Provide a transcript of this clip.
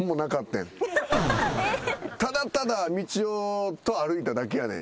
ただただみちおと歩いただけやねん。